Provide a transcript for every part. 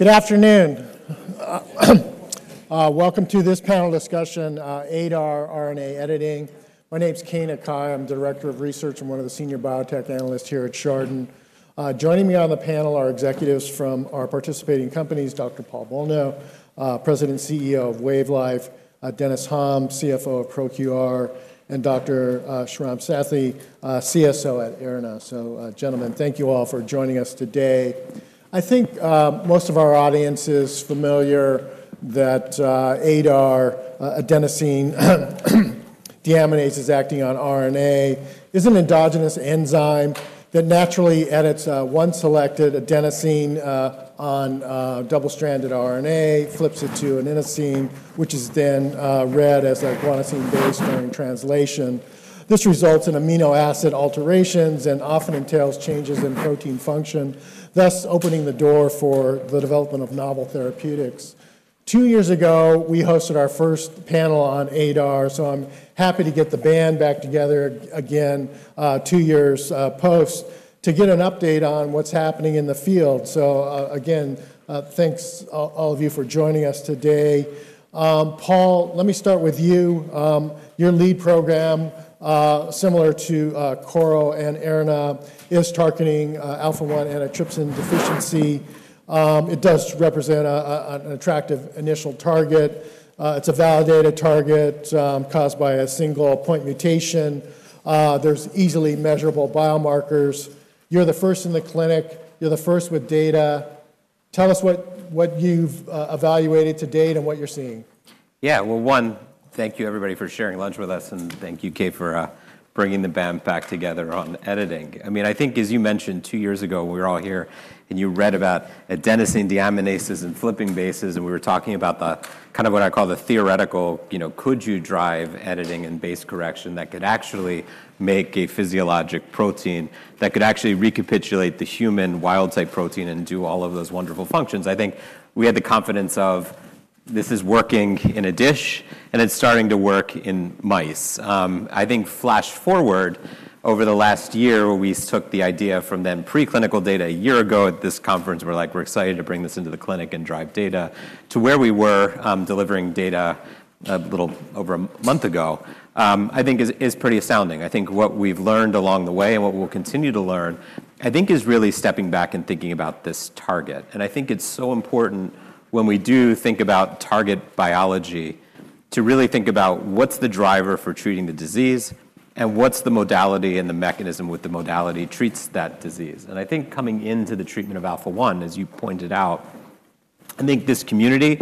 Good afternoon. Welcome to this panel discussion, ADAR RNA editing. My name's Keay Nakae. I'm the Director of Research and one of the Senior Biotech Analysts here at Chardan. Joining me on the panel are executives from our participating companies, Dr. Paul Bolno, President and CEO of Wave Life, Dennis Hom, CFO of ProQR, and Dr. Sriram Sathy, CSO at AIRNA. Gentlemen, thank you all for joining us today. I think most of our audience is familiar with ADAR, adenosine deaminase acting on RNA. It's an endogenous enzyme that naturally edits one selected adenosine on double-stranded RNA, flips it to an enzyme, which is then read as a guanosine base during translation. This results in amino acid alterations and often entails changes in protein function, thus opening the door for the development of novel therapeutics. Two years ago, we hosted our first panel on ADAR. I'm happy to get the band back together again two years post to get an update on what's happening in the field. Again, thanks all of you for joining us today. Paul, let me start with you. Your lead program, similar to ProQR and AIRNA, is targeting alpha-1 antitrypsin deficiency. It does represent an attractive initial target. It's a validated target caused by a single point mutation. There are easily measurable biomarkers. You're the first in the clinic. You're the first with data. Tell us what you've evaluated to date and what you're seeing. Thank you everybody for sharing lunch with us, and thank you, Keay, for bringing the band back together on editing. I think, as you mentioned, two years ago, we were all here and you read about adenosine deaminases and flipping bases, and we were talking about kind of what I call the theoretical, you know, could you drive editing and base correction that could actually make a physiologic protein that could actually recapitulate the human wild type protein and do all of those wonderful functions? I think we had the confidence of this is working in a dish and it's starting to work in mice. Flash forward over the last year where we took the idea from then preclinical data a year ago at this conference, we're excited to bring this into the clinic and drive data to where we were delivering data a little over a month ago. It's pretty astounding. What we've learned along the way and what we'll continue to learn is really stepping back and thinking about this target. It's so important when we do think about target biology to really think about what's the driver for treating the disease and what's the modality and the mechanism with the modality treats that disease. Coming into the treatment of alpha-1, as you pointed out, this community,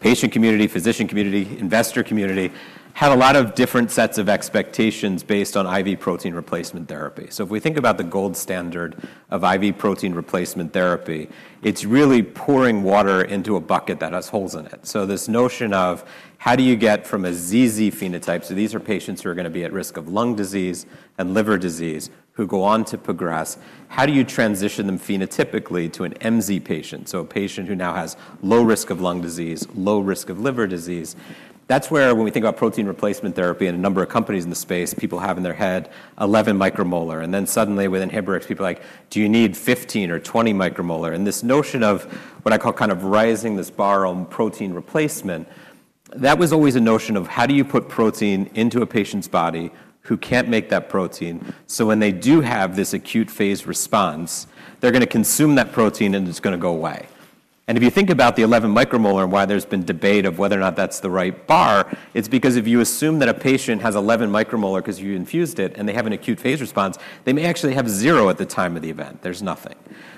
patient community, physician community, investor community, had a lot of different sets of expectations based on IV protein replacement therapy. If we think about the gold standard of IV protein replacement therapy, it's really pouring water into a bucket that has holes in it. This notion of how do you get from a ZZ phenotype, so these are patients who are going to be at risk of lung disease and liver disease who go on to progress, how do you transition them phenotypically to an MZ patient, so a patient who now has low risk of lung disease, low risk of liver disease? That's where when we think about protein replacement therapy and a number of companies in the space, people have in their head 11 µM, and then suddenly with inhibitors, people are like, do you need 15 µM or 20 µM? This notion of what I call kind of rising this bar on protein replacement, that was always a notion of how do you put protein into a patient's body who can't make that protein so when they do have this acute phase response, they're going to consume that protein and it's going to go away. If you think about the 11 µM and why there's been debate of whether or not that's the right bar, it's because if you assume that a patient has 11 µM because you infused it and they have an acute phase response, they may actually have zero at the time of the event. There's nothing.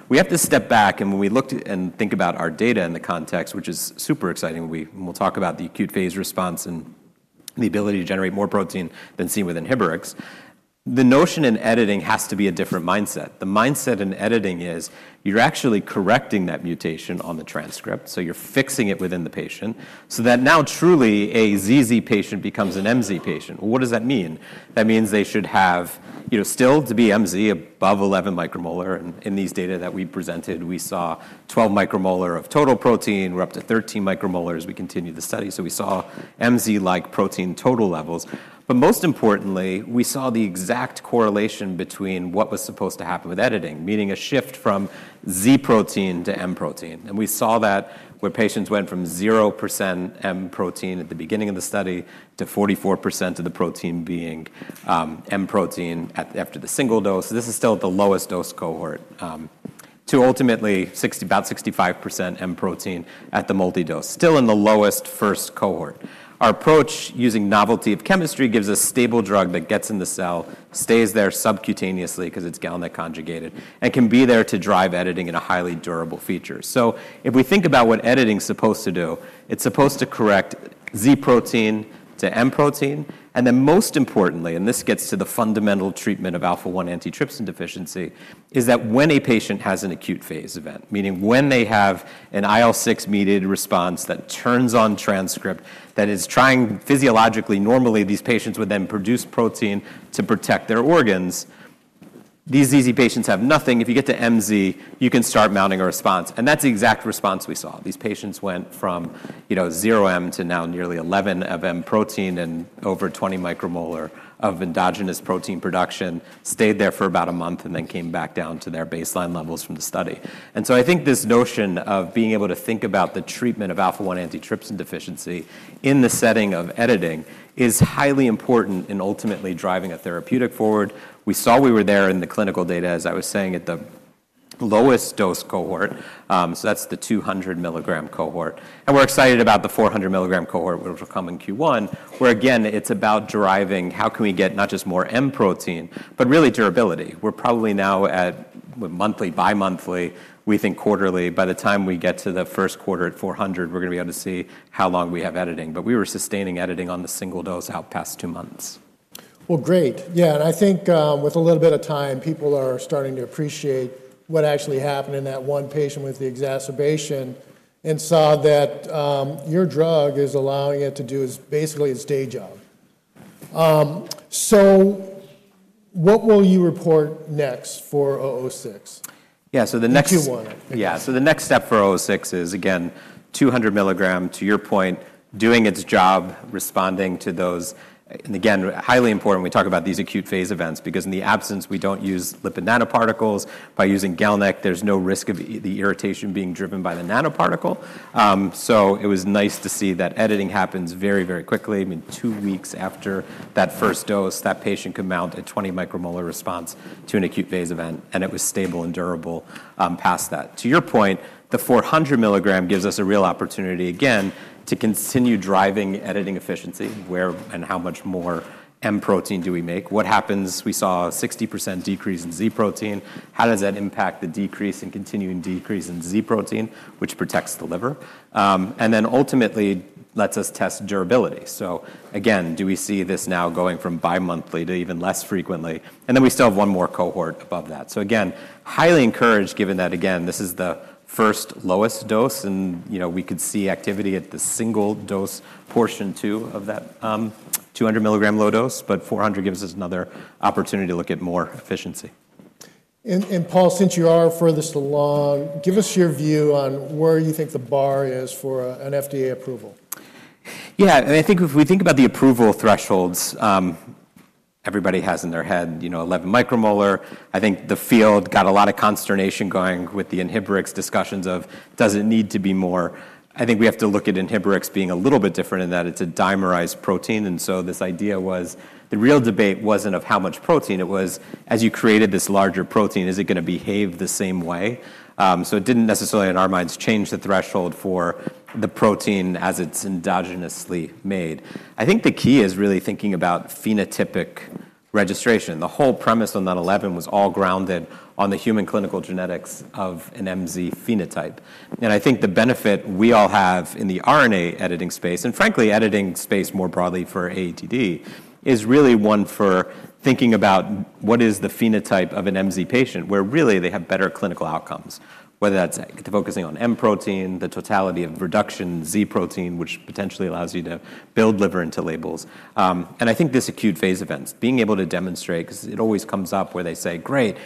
We have to step back and when we look and think about our data in the context, which is super exciting, we will talk about the acute phase response and the ability to generate more protein than seen with inhibitors. The notion in editing has to be a different mindset. The mindset in editing is you're actually correcting that mutation on the transcript, so you're fixing it within the patient so that now truly a ZZ patient becomes an MZ patient. That means they should have, you know, still to be MZ above 11 µM and in these data that we presented, we saw 12 µM of total protein, we're up to 13 µM as we continue the study, so we saw MZ-like protein total levels. Most importantly, we saw the exact correlation between what was supposed to happen with editing, meaning a shift from Z protein to M protein. We saw that where patients went from 0% M protein at the beginning of the study to 44% of the protein being M protein after the single dose. This is still the lowest dose cohort to ultimately about 65% M protein at the multi-dose, still in the lowest first cohort. Our approach using novelty of chemistry gives a stable drug that gets in the cell, stays there subcutaneously because it's GalNAc conjugated and can be there to drive editing in a highly durable feature. If we think about what editing is supposed to do, it's supposed to correct Z protein to M protein. Most importantly, and this gets to the fundamental treatment of alpha-1 antitrypsin deficiency, is that when a patient has an acute phase event, meaning when they have an IL-6 mediated response that turns on transcript that is trying physiologically, normally these patients would then produce protein to protect their organs, these ZZ patients have nothing. If you get to MZ, you can start mounting a response. That's the exact response we saw. These patients went from, you know, 0 M to now nearly 11 of M protein and over 20 µM of endogenous protein production, stayed there for about a month and then came back down to their baseline levels from the study. I think this notion of being able to think about the treatment of alpha-1 antitrypsin deficiency in the setting of editing is highly important in ultimately driving a therapeutic forward. We saw we were there in the clinical data, as I was saying, at the lowest dose cohort. That's the 200 mg cohort. We're excited about the 400 mg cohort, which will come in Q1, where again it's about driving how can we get not just more M protein, but really durability. We're probably now at monthly, bimonthly, we think quarterly. By the time we get to the first quarter at 400 mg, we're going to be able to see how long we have editing. We were sustaining editing on the single dose out past two months. Great, yeah, I think with a little bit of time, people are starting to appreciate what actually happened in that one patient with the exacerbation and saw that your drug is allowing it to do basically its day job. What will you report next for WVE-006? Yeah, the next. Q1, I think. Yeah, so the next step for WVE-006 is again 200 mg, to your point, doing its job, responding to those, and again, highly important we talk about these acute phase events because in the absence we don't use lipid nanoparticles. By using GalNAc, there's no risk of the irritation being driven by the nanoparticle. It was nice to see that editing happens very, very quickly. I mean, two weeks after that first dose, that patient could mount a 20 µM response to an acute phase event and it was stable and durable past that. To your point, the 400 mg gives us a real opportunity again to continue driving editing efficiency. Where and how much more M protein do we make? What happens? We saw a 60% decrease in Z protein. How does that impact the decrease and continuing decrease in Z protein, which protects the liver? Ultimately, it lets us test durability. Do we see this now going from bimonthly to even less frequently? We still have one more cohort above that. Highly encouraged given that again this is the first lowest dose and you know we could see activity at the single dose portion too of that 200 mg low dose, but 400 mg gives us another opportunity to look at more efficiency. Paul, since you are furthest along, give us your view on where you think the bar is for an FDA approval. Yeah, and I think if we think about the approval thresholds, everybody has in their head, you know, 11 µM. I think the field got a lot of consternation going with the inhibitor discussions of does it need to be more? I think we have to look at inhibitor being a little bit different in that it's a dimerized protein. This idea was the real debate wasn't of how much protein, it was as you created this larger protein, is it going to behave the same way? It didn't necessarily in our minds change the threshold for the protein as it's endogenously made. I think the key is really thinking about phenotypic registration. The whole premise on that 11 µM was all grounded on the human clinical genetics of an MZ phenotype. I think the benefit we all have in the RNA editing space, and frankly editing space more broadly for AATD, is really one for thinking about what is the phenotype of an MZ patient where really they have better clinical outcomes, whether that's focusing on M protein, the totality of reduction Z protein, which potentially allows you to build liver into labels. I think this acute phase events, being able to demonstrate, because it always comes up where they say, great,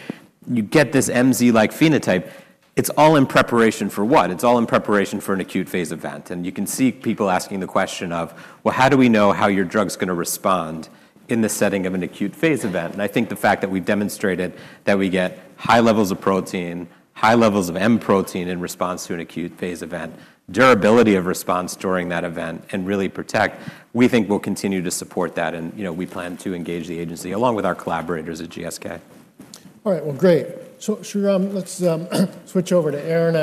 you get this MZ-like phenotype, it's all in preparation for what? It's all in preparation for an acute phase event. You can see people asking the question of, how do we know how your drug's going to respond in the setting of an acute phase event? I think the fact that we've demonstrated that we get high levels of protein, high levels of M protein in response to an acute phase event, durability of response during that event, and really protect, we think we'll continue to support that. You know, we plan to engage the agency along with our collaborators at GSK. All right, great. Sriram, let's switch over to AIRNA.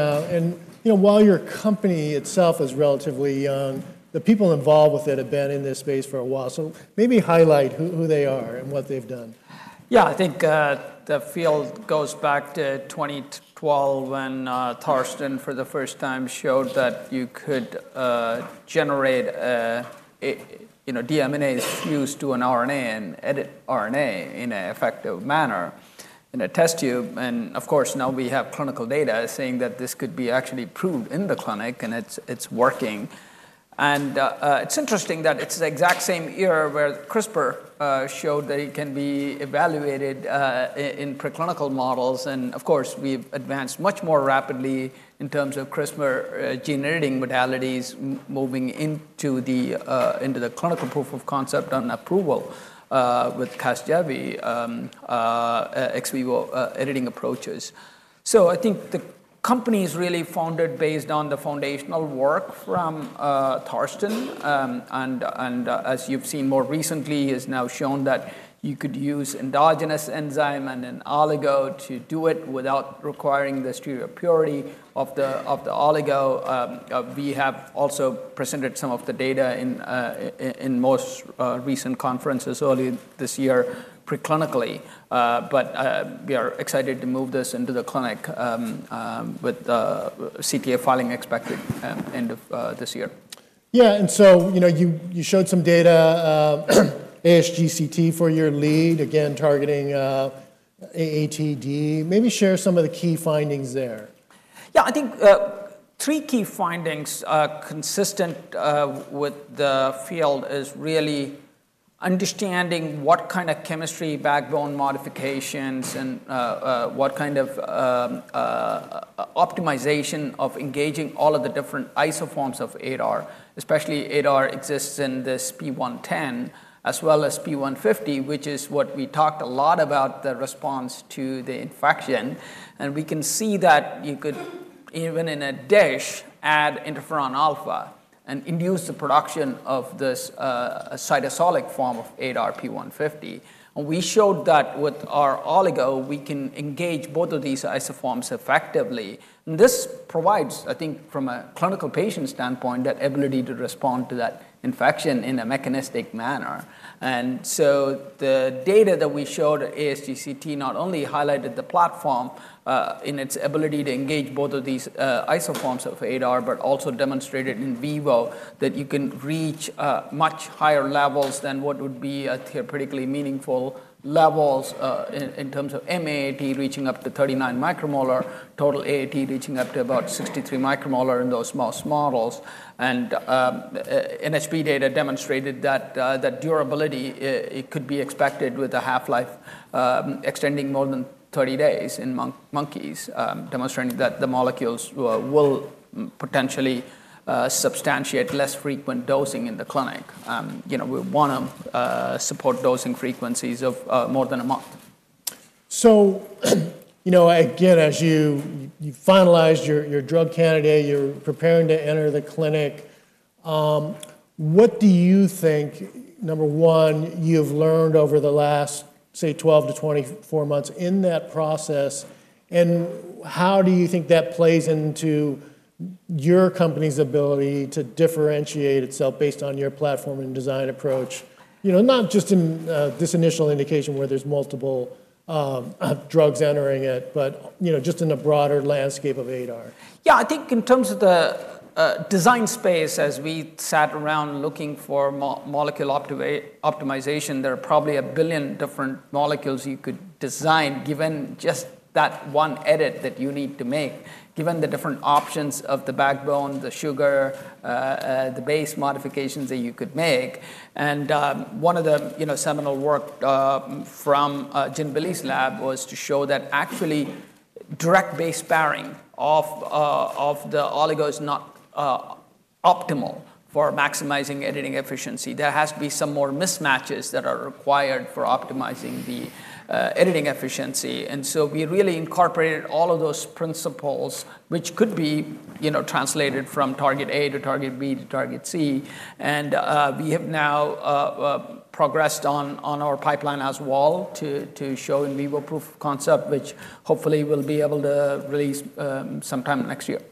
Your company itself is relatively young, the people involved with it have been in this space for a while. Maybe highlight who they are and what they've done. Yeah, I think the field goes back to 2012 when Thorsten for the first time showed that you could generate a DMNA fused to an RNA and edit RNA in an effective manner in a test tube. Of course, now we have clinical data saying that this could be actually proved in the clinic and it's working. It's interesting that it's the exact same year where CRISPR showed that it can be evaluated in preclinical models. We've advanced much more rapidly in terms of CRISPR generating modalities moving into the clinical proof of concept on approval with CASGEVY ex vivo editing approaches. I think the company is really founded based on the foundational work from Thorsten. As you've seen more recently, it's now shown that you could use endogenous enzyme and an oligo to do it without requiring the strida purity of the oligo. We have also presented some of the data in most recent conferences early this year preclinically. We are excited to move this into the clinic with the CTA filing expected end of this year. Yeah, you showed some data at ASGCT for your lead, again targeting AATD. Maybe share some of the key findings there. Yeah, I think three key findings are consistent with the field is really understanding what kind of chemistry backbone modifications and what kind of optimization of engaging all of the different isoforms of ADAR, especially ADAR exists in this p110 as well as p150, which is what we talked a lot about the response to the infection. We can see that you could even in a dish add interferon alpha and induce the production of this cytosolic form of ADAR p150. We showed that with our oligo, we can engage both of these isoforms effectively. This provides, I think, from a clinical patient standpoint, that ability to respond to that infection in a mechanistic manner. The data that we showed at ASGCT not only highlighted the platform in its ability to engage both of these isoforms of ADAR, but also demonstrated in vivo that you can reach much higher levels than what would be theoretically meaningful levels in terms of MAT reaching up to 39 µM, total AAT reaching up to about 63 µM in those mouse models. NSP data demonstrated that that durability could be expected with a half-life extending more than 30 days in monkeys, demonstrating that the molecules will potentially substantiate less frequent dosing in the clinic. We want to support dosing frequencies of more than a month. As you finalized your drug candidate, you're preparing to enter the clinic. What do you think, number one, you've learned over the last, say, 12-24 months in that process? How do you think that plays into your company's ability to differentiate itself based on your platform and design approach? Not just in this initial indication where there's multiple drugs entering it, but in the broader landscape of ADAR. Yeah, I think in terms of the design space, as we sat around looking for molecule optimization, there are probably a billion different molecules you could design given just that one edit that you need to make, given the different options of the backbone, the sugar, the base modifications that you could make. One of the seminal works from Jin Billy's lab was to show that actually direct base sparing of the oligo is not optimal for maximizing editing efficiency. There have to be some more mismatches that are required for optimizing the editing efficiency. We really incorporated all of those principles, which could be, you know, translated from target A to target B to target C. We have now progressed on our pipeline as well to show in vivo proof of concept, which hopefully we'll be able to release sometime next year.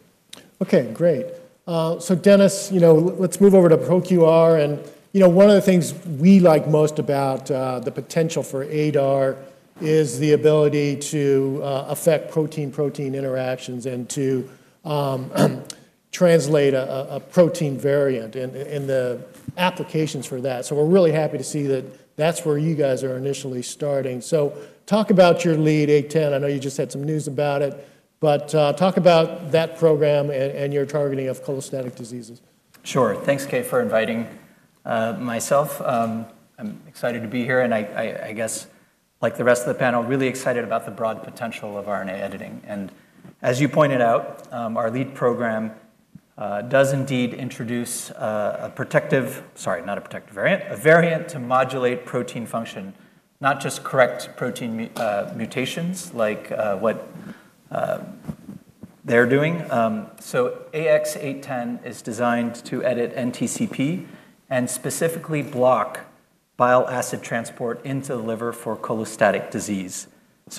Okay, great. Dennis, let's move over to ProQR. One of the things we like most about the potential for ADAR is the ability to affect protein-protein interactions and to translate a protein variant and the applications for that. We're really happy to see that that's where you guys are initially starting. Talk about your lead, AX-0810. I know you just had some news about it, but talk about that program and your targeting of cholestatic diseases. Sure. Thanks, Keay, for inviting myself. I'm excited to be here. I guess, like the rest of the panel, really excited about the broad potential of RNA editing. As you pointed out, our lead program does indeed introduce a variant to modulate protein function, not just correct protein mutations like what they're doing. AX-0810 is designed to edit NTCP and specifically block bile acid transport into the liver for cholestatic disease.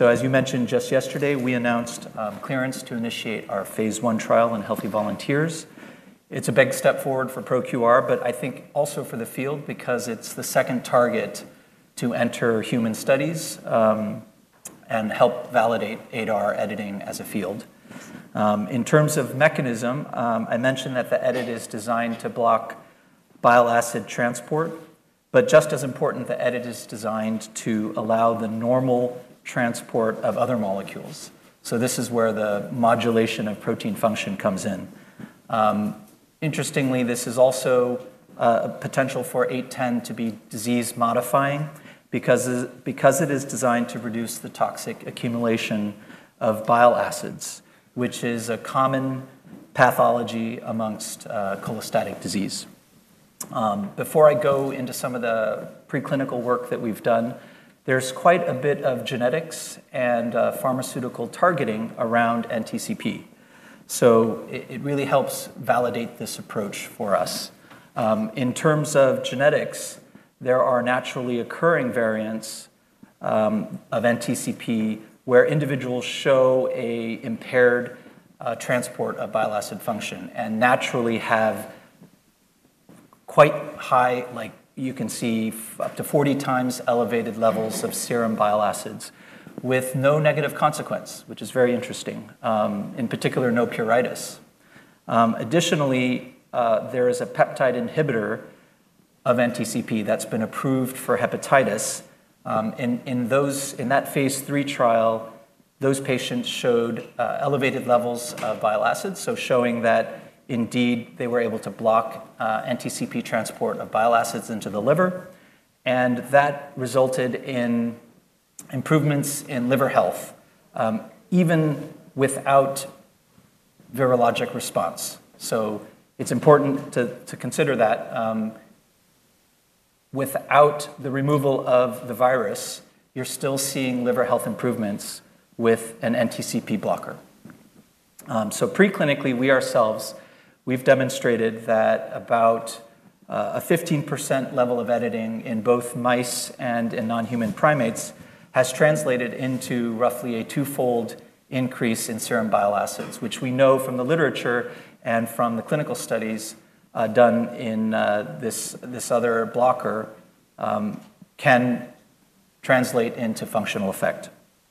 As you mentioned, just yesterday, we announced clearance to initiate our phase one trial in healthy volunteers. It's a big step forward for ProQR, but I think also for the field because it's the second target to enter human studies and help validate ADAR editing as a field. In terms of mechanism, I mentioned that the edit is designed to block bile acid transport, but just as important, the edit is designed to allow the normal transport of other molecules. This is where the modulation of protein function comes in. Interestingly, this is also a potential for AX-0810 to be disease modifying because it is designed to reduce the toxic accumulation of bile acids, which is a common pathology amongst cholestatic disease. Before I go into some of the preclinical work that we've done, there's quite a bit of genetics and pharmaceutical targeting around NTCP. It really helps validate this approach for us. In terms of genetics, there are naturally occurring variants of NTCP where individuals show an impaired transport of bile acid function and naturally have quite high, like you can see, up to 40x elevated levels of serum bile acids with no negative consequence, which is very interesting. In particular, no pruritus. Additionally, there is a peptide inhibitor of NTCP that's been approved for hepatitis. In that phase three trial, those patients showed elevated levels of bile acids, showing that indeed they were able to block NTCP transport of bile acids into the liver. That resulted in improvements in liver health, even without virologic response. It's important to consider that without the removal of the virus, you're still seeing liver health improvements with an NTCP blocker. Preclinically, we ourselves have demonstrated that about a 15% level of editing in both mice and in non-human primates has translated into roughly a twofold increase in serum bile acids, which we know from the literature and from the clinical studies done in this other blocker can translate into functional effect.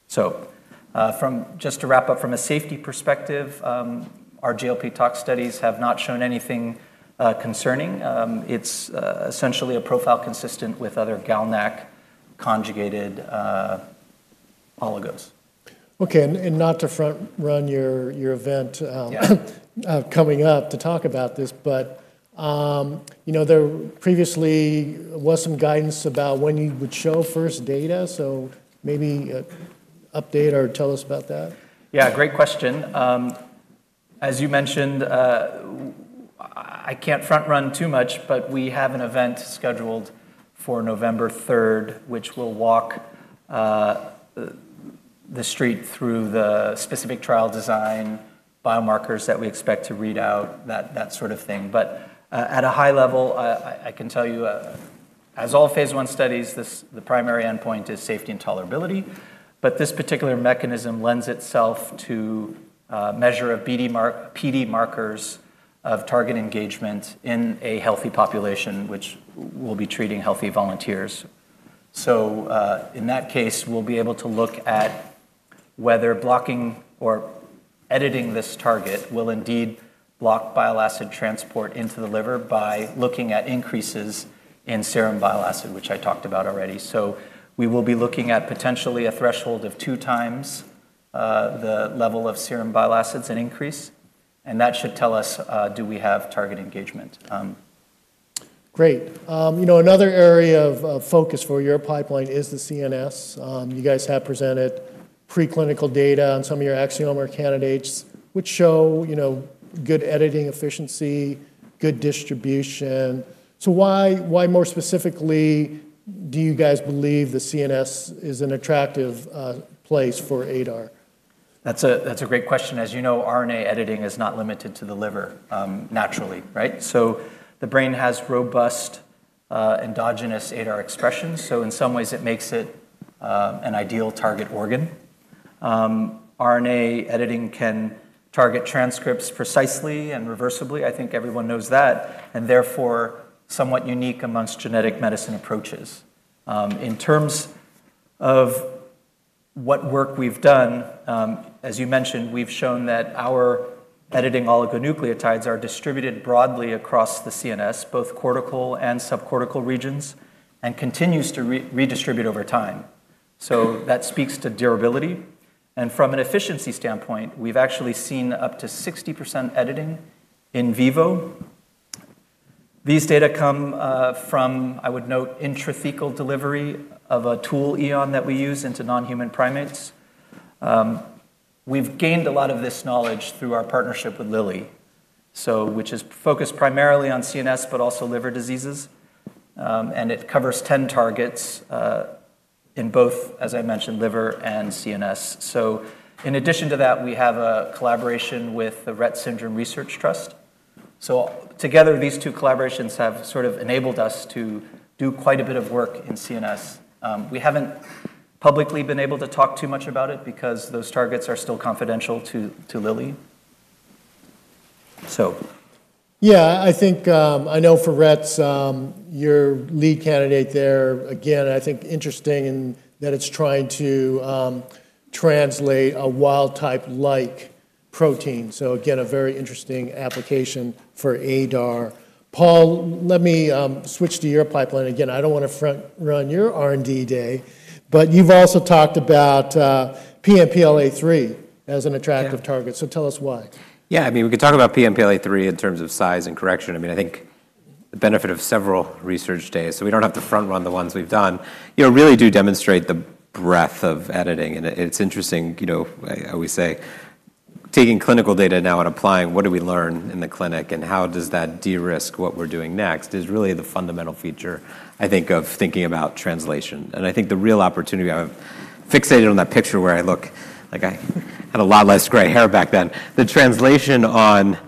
Just to wrap up, from a safety perspective, our GLP tox studies have not shown anything concerning. It's essentially a profile consistent with other GalNAc conjugated oligos. Okay, not to front run your event coming up to talk about this, but you know, there previously was some guidance about when you would show first data. Maybe update or tell us about that. Yeah, great question. As you mentioned, I can't front run too much, but we have an event scheduled for November 3rd, which will walk the street through the specific trial design, biomarkers that we expect to read out, that sort of thing. At a high level, I can tell you, as all phase one studies, the primary endpoint is safety and tolerability. This particular mechanism lends itself to measure of PD markers of target engagement in a healthy population, which will be treating healthy volunteers. In that case, we'll be able to look at whether blocking or editing this target will indeed block bile acid transport into the liver by looking at increases in serum bile acid, which I talked about already. We will be looking at potentially a threshold of 2x the level of serum bile acids and increase. That should tell us, do we have target engagement? Great. Another area of focus for your pipeline is the CNS. You guys have presented preclinical data on some of your Axiomer candidates, which show good editing efficiency, good distribution. Why more specifically do you guys believe the CNS is an attractive place for ADAR? That's a great question. As you know, RNA editing is not limited to the liver naturally, right? The brain has robust endogenous ADAR expressions, so in some ways, it makes it an ideal target organ. RNA editing can target transcripts precisely and reversibly. I think everyone knows that, and therefore, it's somewhat unique amongst genetic medicine approaches. In terms of what work we've done, as you mentioned, we've shown that our editing oligonucleotides are distributed broadly across the CNS, both cortical and subcortical regions, and continue to redistribute over time. That speaks to durability. From an efficiency standpoint, we've actually seen up to 60% editing in vivo. These data come from, I would note, intrathecal delivery of a tool oligonucleotide that we use into non-human primates. We've gained a lot of this knowledge through our partnership with Lilly, which is focused primarily on CNS, but also liver diseases. It covers 10 targets in both, as I mentioned, liver and CNS. In addition to that, we have a collaboration with the Rett Syndrome Research Trust. Together, these two collaborations have sort of enabled us to do quite a bit of work in CNS. We haven't publicly been able to talk too much about it because those targets are still confidential to Lilly. I think I know for Rett's, your lead candidate there, again, I think interesting in that it's trying to translate a wild type-like protein. Again, a very interesting application for ADAR. Paul, let me switch to your pipeline again. I don't want to front run your R&D day, but you've also talked about PNPLA3 as an attractive target. Tell us why. Yeah, I mean, we could talk about PNPLA3 in terms of size and correction. I mean, I think the benefit of several research days, so we don't have to front run the ones we've done, really do demonstrate the breadth of editing. It's interesting how we say, taking clinical data now and applying what do we learn in the clinic and how does that de-risk what we're doing next is really the fundamental feature, I think, of thinking about translation. I think the real opportunity, I've fixated on that picture where I look like I had a lot less gray hair back then. The translation on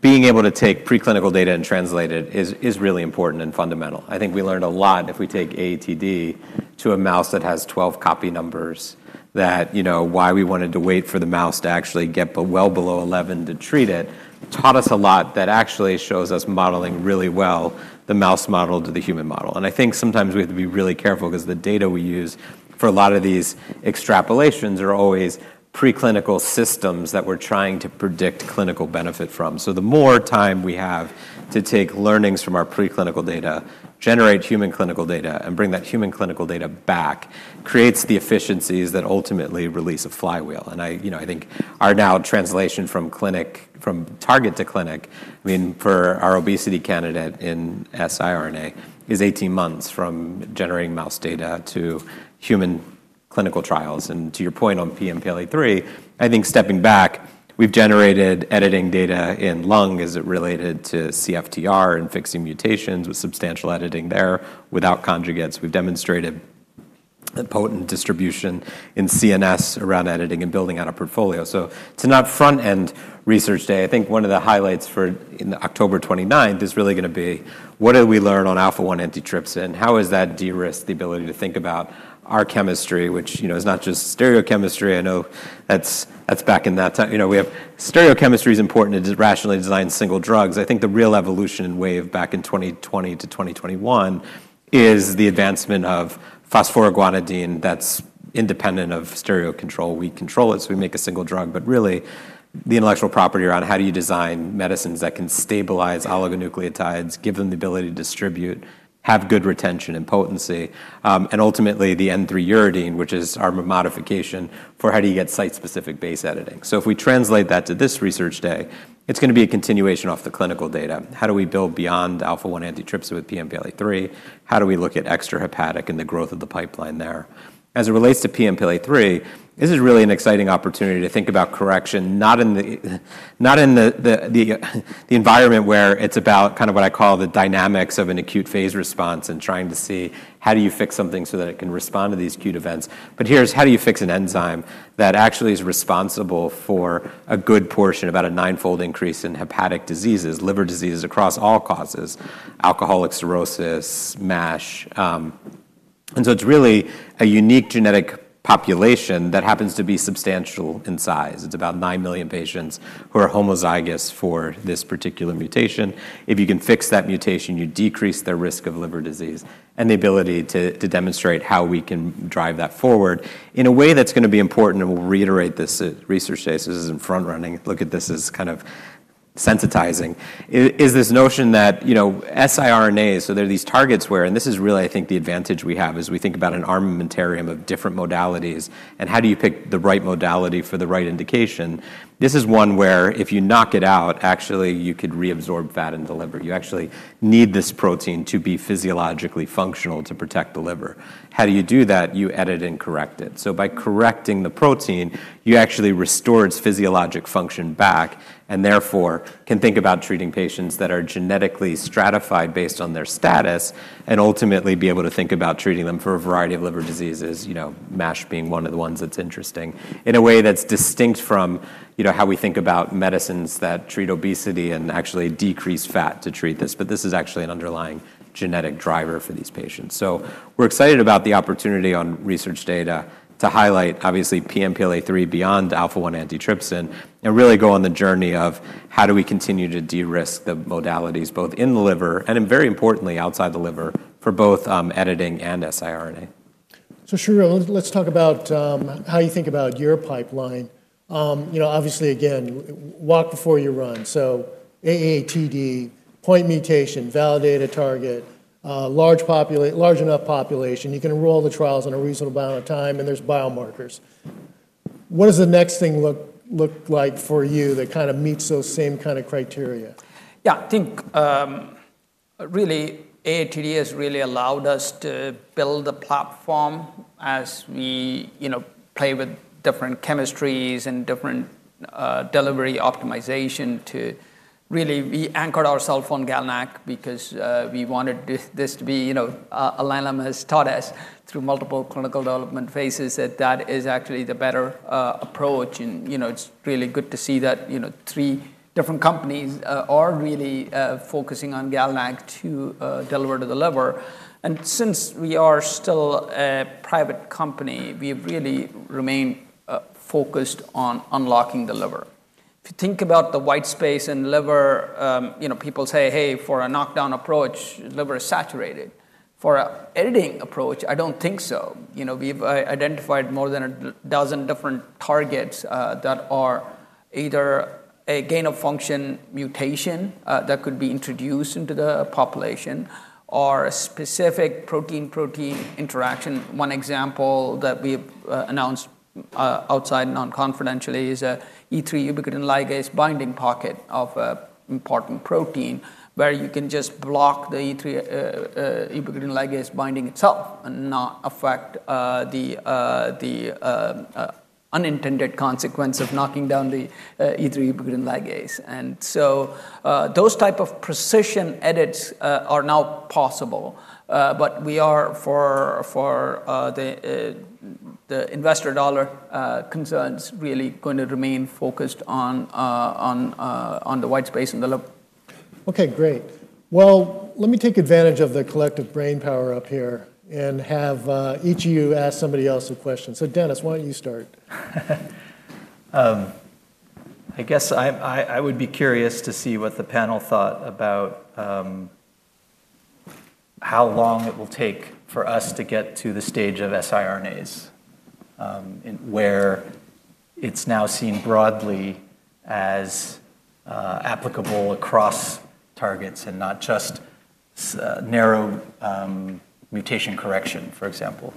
being able to take preclinical data and translate it is really important and fundamental. I think we learned a lot if we take AATD to a mouse that has 12 copy numbers that, you know, why we wanted to wait for the mouse to actually get well below 11 to treat it taught us a lot that actually shows us modeling really well, the mouse model to the human model. I think sometimes we have to be really careful because the data we use for a lot of these extrapolations are always preclinical systems that we're trying to predict clinical benefit from. The more time we have to take learnings from our preclinical data, generate human clinical data, and bring that human clinical data back creates the efficiencies that ultimately release a flywheel. I think our now translation from clinic from target to clinic, I mean, for our obesity candidate in siRNA is 18 months from generating mouse data to human clinical trials. To your point on PNPLA3, I think stepping back, we've generated editing data in lung as it related to CFTR and fixing mutations with substantial editing there without conjugates. We've demonstrated a potent distribution in CNS around editing and building out a portfolio. To not front end research day, I think one of the highlights for October 29 is really going to be what did we learn on alpha-1 antitrypsin? How is that de-risked the ability to think about our chemistry, which is not just stereochemistry? I know that's back in that time. We have stereochemistry is important to rationally design single drugs. I think the real evolution wave back in 2020 to 2021 is the advancement of phosphoroguanidine that's independent of stereo control. We control it, so we make a single drug, but really the intellectual property around how do you design medicines that can stabilize oligonucleotides, give them the ability to distribute, have good retention and potency, and ultimately the N3-uridine, which is our modification for how do you get site-specific base editing. If we translate that to this research day, it's going to be a continuation of the clinical data. How do we build beyond alpha-1 antitrypsin with PNPLA3? How do we look at extrahepatic and the growth of the pipeline there? As it relates to PNPLA3, this is really an exciting opportunity to think about correction, not in the environment where it's about what I call the dynamics of an acute phase response and trying to see how do you fix something so that it can respond to these acute events. Here's how do you fix an enzyme that actually is responsible for a good portion, about a nine-fold increase in hepatic diseases, liver diseases across all causes, alcoholic cirrhosis, MASH. It's really a unique genetic population that happens to be substantial in size. It's about 9 million patients who are homozygous for this particular mutation. If you can fix that mutation, you decrease their risk of liver disease and the ability to demonstrate how we can drive that forward in a way that's going to be important. We'll reiterate this at research days. This isn't front running. Look at this as kind of sensitizing. Is this notion that, you know, siRNA, so there are these targets where, and this is really, I think, the advantage we have is we think about an armamentarium of different modalities and how do you pick the right modality for the right indication. This is one where if you knock it out, actually you could reabsorb fat in the liver. You actually need this protein to be physiologically functional to protect the liver. How do you do that? You edit and correct it. By correcting the protein, you actually restore its physiologic function back and therefore can think about treating patients that are genetically stratified based on their status and ultimately be able to think about treating them for a variety of liver diseases, MASH being one of the ones that's interesting in a way that's distinct from how we think about medicines that treat obesity and actually decrease fat to treat this. This is actually an underlying genetic driver for these patients. We're excited about the opportunity on research data to highlight, obviously, PNPLA3 beyond alpha-1 antitrypsin and really go on the journey of how do we continue to de-risk the modalities both in the liver and very importantly outside the liver for both editing and siRNA. Sriram, let's talk about how you think about your pipeline. Obviously, again, walk before you run. AATD, point mutation, validate a target, large enough population, you can enroll the trials in a reasonable amount of time, and there's biomarkers. What does the next thing look like for you that kind of meets those same kind of criteria? Yeah, I think really AATD has really allowed us to build a platform as we, you know, play with different chemistries and different delivery optimization to really, we anchored ourselves on GalNAc because we wanted this to be, you know, AIRNA has taught us through multiple clinical development phases that that is actually the better approach. It's really good to see that, you know, three different companies are really focusing on GalNAc to deliver to the liver. Since we are still a private company, we've really remained focused on unlocking the liver. If you think about the white space in liver, you know, people say, hey, for a knockdown approach, liver is saturated. For an editing approach, I don't think so. We've identified more than a dozen different targets that are either a gain of function mutation that could be introduced into the population or a specific protein-protein interaction. One example that we have announced outside non-confidentially is an E3 ubiquitin ligase binding pocket of an important protein where you can just block the E3 ubiquitin ligase binding itself and not affect the unintended consequence of knocking down the E3 ubiquitin ligase. Those types of precision edits are now possible. For the investor dollar concerns, really going to remain focused on the white space in the liver. Great. Let me take advantage of the collective brainpower up here and have each of you ask somebody else a question. Dennis, why don't you start? I guess I would be curious to see what the panel thought about how long it will take for us to get to the stage of siRNAs where it's now seen broadly as applicable across targets and not just narrow mutation correction, for example.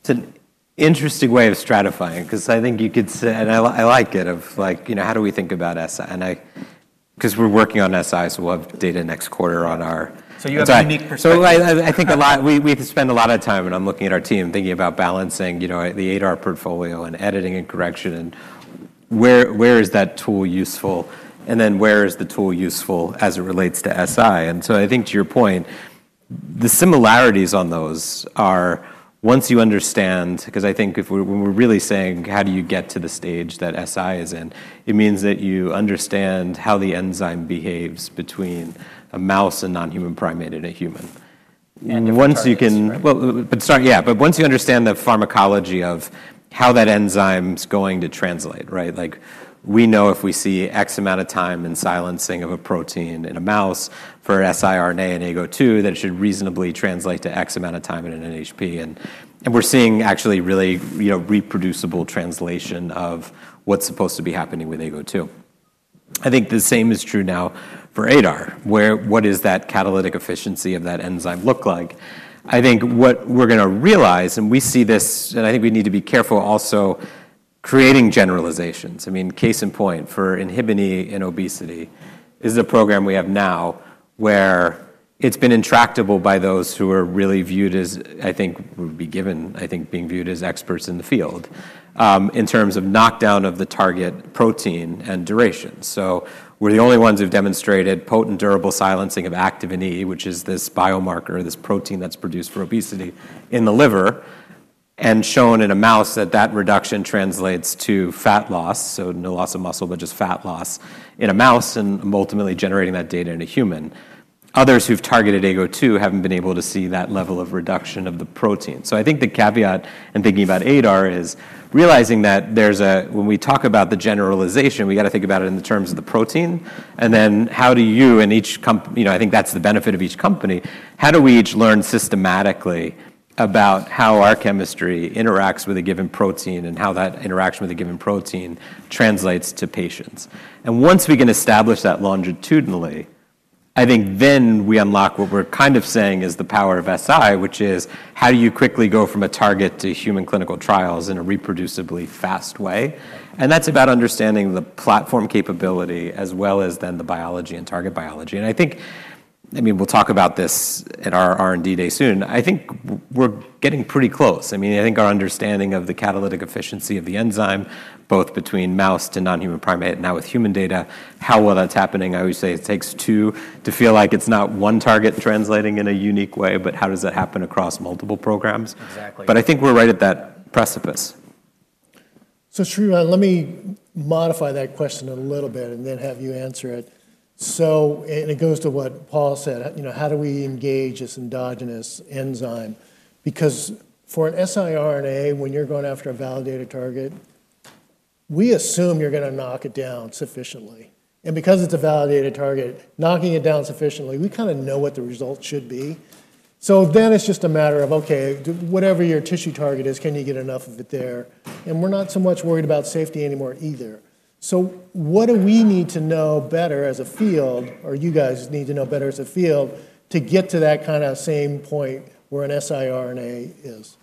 It's an interesting way of stratifying because I think you could say, and I like it of like, you know, how do we think about siRNA? Because we're working on si, so we'll have data next quarter on our... You have a unique perspective. I think a lot, we have to spend a lot of time, and I'm looking at our team thinking about balancing, you know, the ADAR portfolio and editing and correction, and where is that tool useful? Then where is the tool useful as it relates to si? I think to your point, the similarities on those are once you understand, because I think when we're really saying how do you get to the stage that si is in, it means that you understand how the enzyme behaves between a mouse and non-human primate and a human. Once you can... Yeah, that's right. Yeah, but once you understand the pharmacology of how that enzyme is going to translate, right? Like we know if we see X amount of time in silencing of a protein in a mouse for siRNA in Ago2, that it should reasonably translate to X amount of time in an NHP. We're seeing actually really reproducible translation of what's supposed to be happening with Ago2. I think the same is true now for ADAR. What does that catalytic efficiency of that enzyme look like? I think what we're going to realize, and we see this, and I think we need to be careful also creating generalizations. Case in point for activin A in obesity is the program we have now where it's been intractable by those who are really viewed as, I think, would be given, I think, being viewed as experts in the field in terms of knockdown of the target protein and duration. We're the only ones who've demonstrated potent durable silencing of activin A, which is this biomarker, this protein that's produced for obesity in the liver, and shown in a mouse that that reduction translates to fat loss, so no loss of muscle, but just fat loss in a mouse and ultimately generating that data in a human. Others who've targeted Ago2 haven't been able to see that level of reduction of the protein. I think the caveat in thinking about ADAR is realizing that there's a, when we talk about the generalization, we got to think about it in the terms of the protein. Then how do you and each company, you know, I think that's the benefit of each company, how do we each learn systematically about how our chemistry interacts with a given protein and how that interaction with a given protein translates to patients? Once we can establish that longitudinally, I think then we unlock what we're kind of saying is the power of si, which is how do you quickly go from a target to human clinical trials in a reproducibly fast way? That's about understanding the platform capability as well as then the biology and target biology. I think, I mean, we'll talk about this at our R&D day soon. I think we're getting pretty close. I mean, I think our understanding of the catalytic efficiency of the enzyme, both between mouse to non-human primate and now with human data, how well that's happening. I always say it takes two to feel like it's not one target translating in a unique way, but how does that happen across multiple programs? Exactly. I think we're right at that precipice. Sriram, let me modify that question a little bit and then have you answer it. It goes to what Paul said, you know, how do we engage this endogenous enzyme? For an siRNA, when you're going after a validated target, we assume you're going to knock it down sufficiently. Because it's a validated target, knocking it down sufficiently, we kind of know what the result should be. It's just a matter of, okay, whatever your tissue target is, can you get enough of it there? We're not so much worried about safety anymore either. What do we need to know better as a field, or you guys need to know better as a field, to get to that kind of same point where an siRNA is?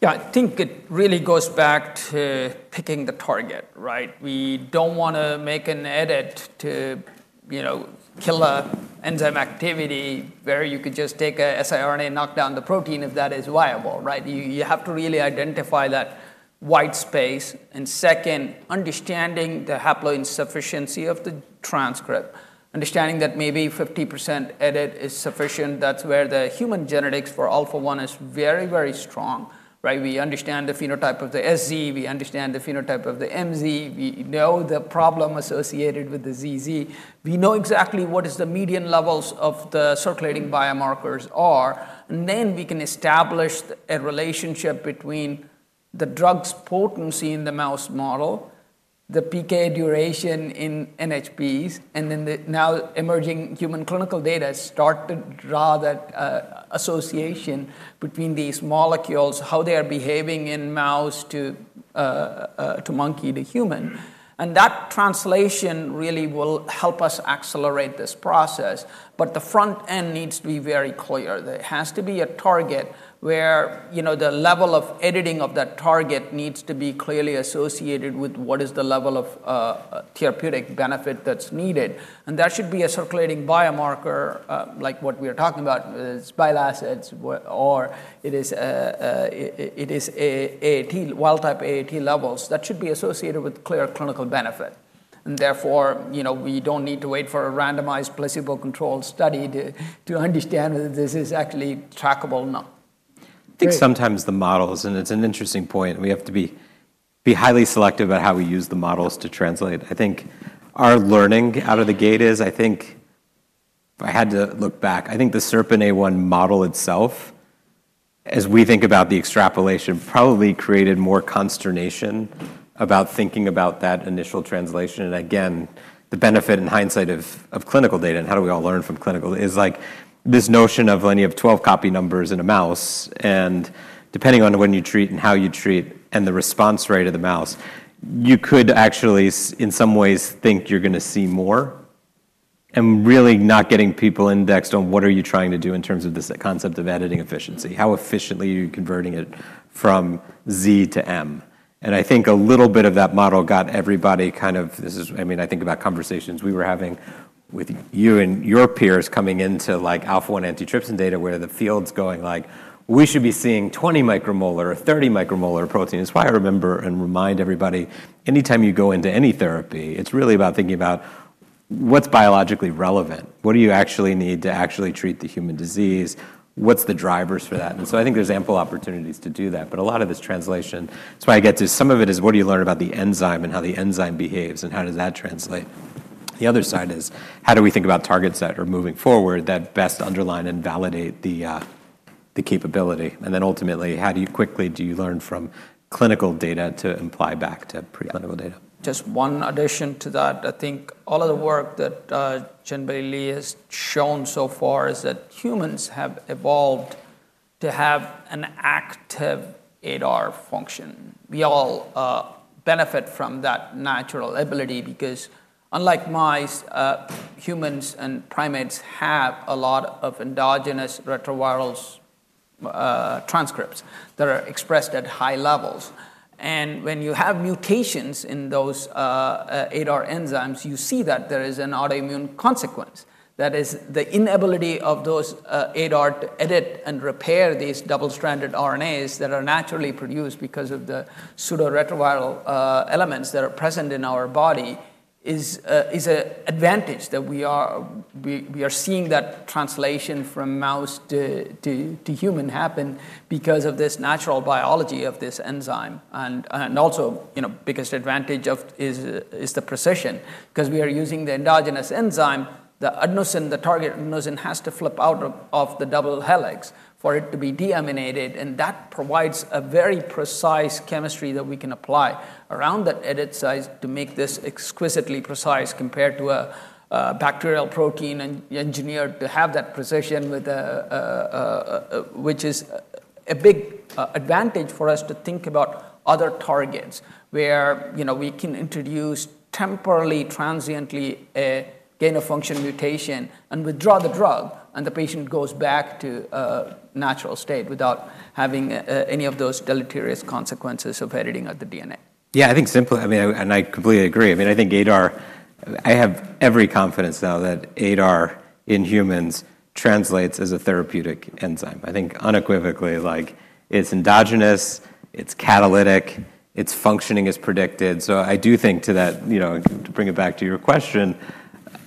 Yeah, I think it really goes back to picking the target, right? We don't want to make an edit to, you know, kill an enzyme activity where you could just take an siRNA and knock down the protein if that is viable, right? You have to really identify that white space. Second, understanding the haploid insufficiency of the transcript, understanding that maybe 50% edit is sufficient. That's where the human genetics for alpha-1 is very, very strong, right? We understand the phenotype of the SZ. We understand the phenotype of the MZ. We know the problem associated with the ZZ. We know exactly what the median levels of the circulating biomarkers are. We can establish a relationship between the drug's potency in the mouse model, the PK duration in NHPs, and the now emerging human clinical data to start to draw that association between these molecules, how they are behaving in mouse to monkey to human. That translation really will help us accelerate this process. The front end needs to be very clear. There has to be a target where, you know, the level of editing of that target needs to be clearly associated with what is the level of therapeutic benefit that's needed. That should be a circulating biomarker like what we're talking about. It's bile acids or it is wild type AAT levels. That should be associated with clear clinical benefit. Therefore, you know, we don't need to wait for a randomized placebo-controlled study to understand whether this is actually trackable or not. I think sometimes the models, and it's an interesting point, we have to be highly selective about how we use the models to translate. I think our learning out of the gate is, if I had to look back, the SERPINA1 model itself, as we think about the extrapolation, probably created more consternation about thinking about that initial translation. The benefit in hindsight of clinical data and how do we all learn from clinical is like this notion of, you have 12 copy numbers in a mouse, and depending on when you treat and how you treat and the response rate of the mouse, you could actually, in some ways, think you're going to see more and really not getting people indexed on what are you trying to do in terms of this concept of editing efficiency. How efficiently are you converting it from Z to M? A little bit of that model got everybody kind of, I mean, I think about conversations we were having with you and your peers coming into alpha-1 antitrypsin data where the field's going like, we should be seeing 20 µM or 30 µM protein. I remember and remind everybody, anytime you go into any therapy, it's really about thinking about what's biologically relevant. What do you actually need to actually treat the human disease? What's the drivers for that? I think there's ample opportunities to do that. A lot of this translation, that's why I get to some of it, is what do you learn about the enzyme and how the enzyme behaves and how does that translate? The other side is how do we think about targets that are moving forward that best underline and validate the capability? Ultimately, how quickly do you learn from clinical data to imply back to preclinical data? Just one addition to that, I think all of the work that Jin Billy has shown so far is that humans have evolved to have an active ADAR function. We all benefit from that natural ability because unlike mice, humans and primates have a lot of endogenous retroviral transcripts that are expressed at high levels. When you have mutations in those ADAR enzymes, you see that there is an autoimmune consequence. That is, the inability of those ADAR to edit and repair these double-stranded RNAs that are naturally produced because of the pseudo-retroviral elements that are present in our body is an advantage. We are seeing that translation from mouse to human happen because of this natural biology of this enzyme. Also, the biggest advantage is the precision because we are using the endogenous enzyme. The adenosine, the target adenosine, has to flip out of the double helix for it to be deaminated. That provides a very precise chemistry that we can apply around that edit site to make this exquisitely precise compared to a bacterial protein engineered to have that precision, which is a big advantage for us to think about other targets where we can introduce temporarily, transiently a gain of function mutation and withdraw the drug. The patient goes back to a natural state without having any of those deleterious consequences of editing of the DNA. Yeah, I think simply, I mean, and I completely agree. I mean, I think ADAR, I have every confidence now that ADAR in humans translates as a therapeutic enzyme. I think unequivocally, like it's endogenous, it's catalytic, it's functioning as predicted. I do think to that, you know, to bring it back to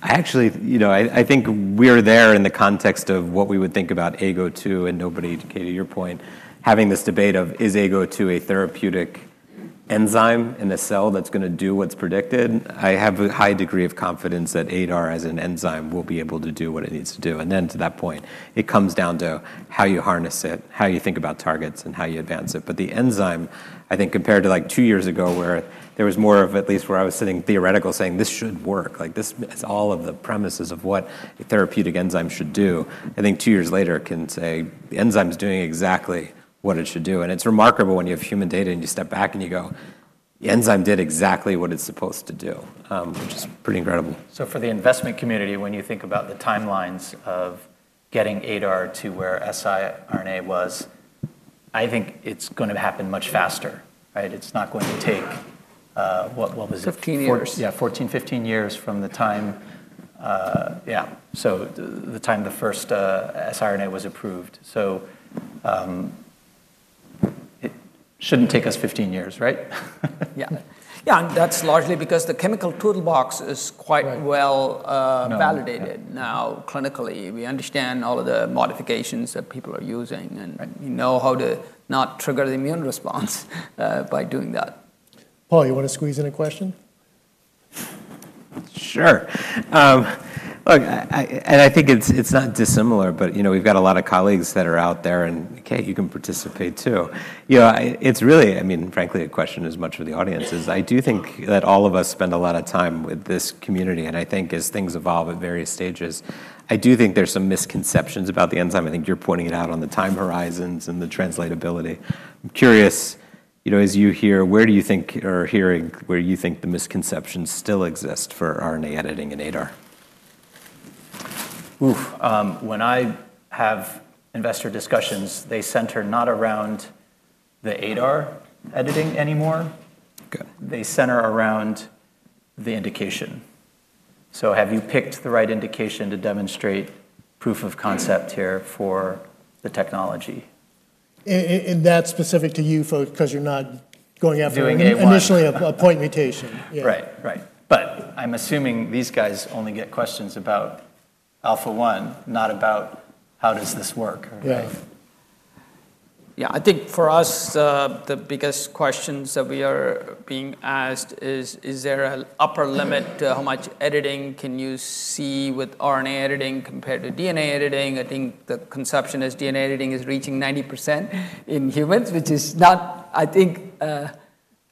your question, I actually, you know, I think we're there in the context of what we would think about Ago2. Nobody, Keay, to your point, having this debate of is Ago2 a therapeutic enzyme in a cell that's going to do what's predicted? I have a high degree of confidence that ADAR as an enzyme will be able to do what it needs to do. To that point, it comes down to how you harness it, how you think about targets, and how you advance it. The enzyme, I think compared to like two years ago where there was more of at least where I was sitting theoretical saying this should work, like this is all of the premises of what a therapeutic enzyme should do. I think two years later it can say the enzyme is doing exactly what it should do. It's remarkable when you have human data and you step back and you go, the enzyme did exactly what it's supposed to do, which is pretty incredible. For the investment community, when you think about the timelines of getting ADAR to where siRNA was, I think it's going to happen much faster, right? It's not going to take what was it? 15 years. Yeah, 14, 15 years from the time, yeah, the time the first siRNA was approved. It shouldn't take us 15 years, right? Yeah, that's largely because the chemical toolbox is quite well validated now clinically. We understand all of the modifications that people are using, and we know how to not trigger the immune response by doing that. Paul, you want to squeeze in a question? Sure. I think it's not dissimilar, but we've got a lot of colleagues that are out there and Keay, you can participate too. It's really, frankly, a question as much for the audience as I do think that all of us spend a lot of time with this community. I think as things evolve at various stages, there are some misconceptions about the enzyme. You're pointing it out on the time horizons and the translatability. I'm curious, as you hear, where do you think or hearing where you think the misconceptions still exist for RNA editing and ADAR? When I have investor discussions, they center not around the ADAR editing anymore. Okay. They center around the indication. Have you picked the right indication to demonstrate proof of concept here for the technology? That is specific to you folks because you're not going after initially a point mutation. Right, right. I'm assuming these guys only get questions about alpha-1, not about how does this work. Yeah, I think for us, the biggest questions that we are being asked is, is there an upper limit to how much editing can you see with RNA editing compared to DNA editing? I think the conception is DNA editing is reaching 90% in humans, which is not, I think,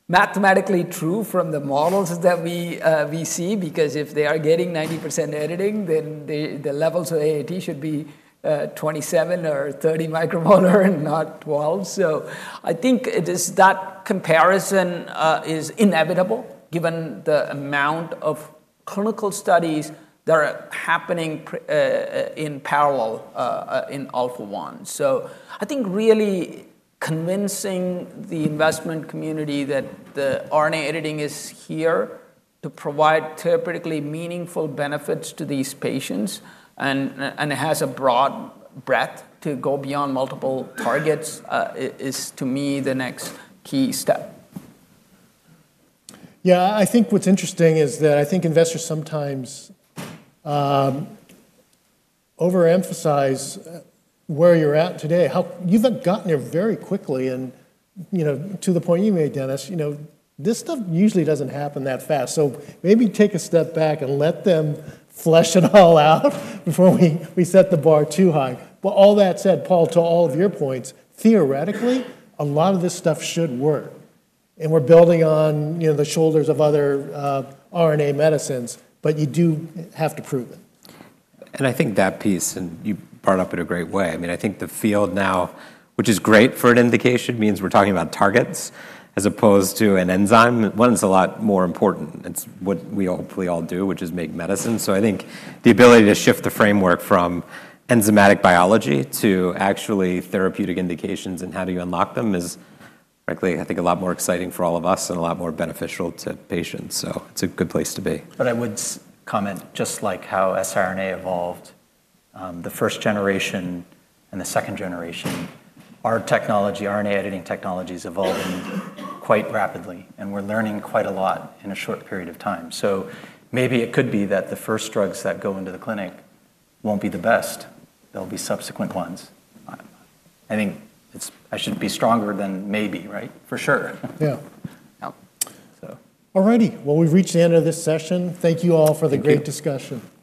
mathematically true from the models that we see because if they are getting 90% editing, then the levels of AAT should be 27 µM or 30 µM and not 12 µM. I think that comparison is inevitable given the amount of clinical studies that are happening in parallel in alpha-1. I think really convincing the investment community that the RNA editing is here to provide therapeutically meaningful benefits to these patients and it has a broad breadth to go beyond multiple targets is to me the next key step. I think what's interesting is that I think investors sometimes overemphasize where you're at today. You've gotten there very quickly and, to the point you made, Dennis, this stuff usually doesn't happen that fast. Maybe take a step back and let them flesh it all out before we set the bar too high. All that said, Paul, to all of your points, theoretically, a lot of this stuff should work. We're building on the shoulders of other RNA medicines, but you do have to prove it. I think that piece, and you brought up in a great way, I mean, I think the field now, which is great for an indication, means we're talking about targets as opposed to an enzyme. One is a lot more important. It's what we hopefully all do, which is make medicine. I think the ability to shift the framework from enzymatic biology to actually therapeutic indications and how do you unlock them is, frankly, I think a lot more exciting for all of us and a lot more beneficial to patients. It's a good place to be. I would comment just like how siRNA evolved, the first generation and the second generation, our technology, RNA editing technologies evolved quite rapidly and we're learning quite a lot in a short period of time. It could be that the first drugs that go into the clinic won't be the best. There'll be subsequent ones. I think I should be stronger than maybe, right? For sure. Yeah. Yeah. All righty. We've reached the end of this session. Thank you all for the great discussion. Thank you.